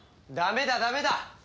ダメだダメだ！